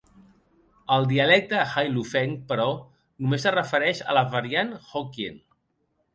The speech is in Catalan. El dialecte Hailufeng, però, només es refereix a la variant Hokkien.